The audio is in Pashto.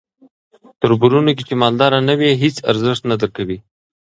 توربرونو کې چې مالداره نه وې هیس ارزښت نه درکوي.